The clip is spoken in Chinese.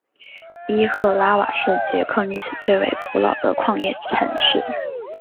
伊赫拉瓦是捷克历史最为古老的矿业城市。